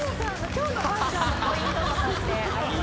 今日のファッションのポイントとかってありますか？